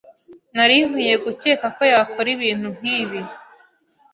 Nari nkwiye gukeka ko yakora ibintu nkibi.